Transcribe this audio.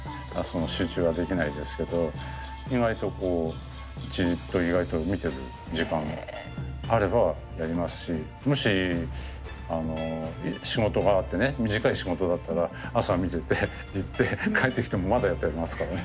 集中はできないですけど意外とこうじっと意外と見てる時間あればやりますしもしあの仕事があってね短い仕事だったら朝見てて行って帰ってきてもまだやってますからね。